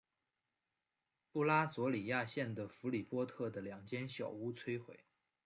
布拉佐里亚县的弗里波特的两间小屋摧毁。